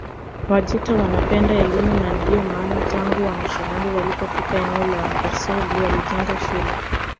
Wajita wanapenda elimu na ndiyo maana tangu wamisionari walipofika eneo la Rusoli walijenga shule